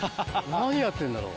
何やってるんだろう。